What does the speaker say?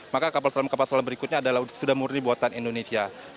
maka kapal selam kapal selam berikutnya adalah sudah murni buatan indonesia